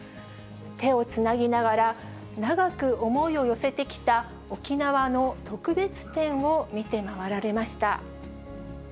手をつなぎながら、長く思いを寄せてきた沖縄の特別展を見て回られました。